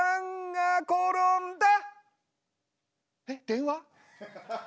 電話？